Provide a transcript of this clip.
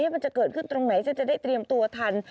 มันจะเกิดขึ้นตรงไหนจะได้เตรียมตัวทัน